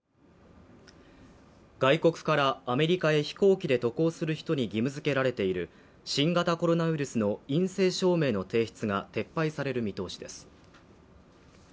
外国からアメリカへ飛行機で渡航する人に義務づけられている新型コロナウイルスの陰性証明の提出が撤廃される見通しです